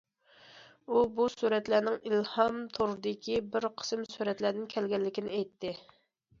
ئۇ بۇ سۈرەتلەرنىڭ ئىلھامى توردىكى بىر قىسىم سۈرەتلەردىن كەلگەنلىكىنى ئېيتتى.